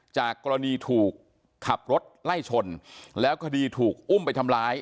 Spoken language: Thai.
จากกรณีถูกขับรถไล่ชนแล้วคดีถูกอุ้มไปทำร้าย